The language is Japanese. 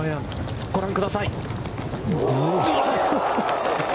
ご覧ください。